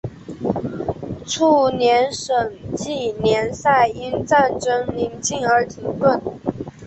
翌年省际联赛因战争临近而停顿。